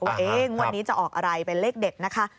ว่างวดนี้จะออกอะไรเป็นเลขเด็ดนะคะ